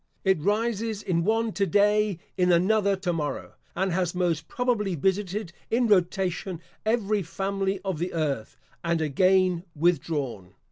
It rises in one to day, in another to morrow, and has most probably visited in rotation every family of the earth, and again withdrawn.